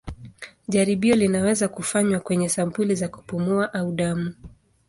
Jaribio linaweza kufanywa kwenye sampuli za kupumua au damu.